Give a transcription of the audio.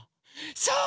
そう！